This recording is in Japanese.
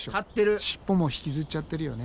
尻尾も引きずっちゃってるよね。